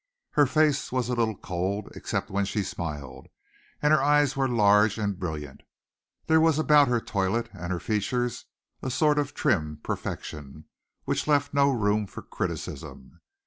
Her face was a little cold, except when she smiled, and her eyes were large and brilliant. There was about her toilette and her features a sort of trim perfection, which left no room for criticism.